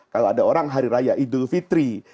kalau ada orang hari raya idul fitri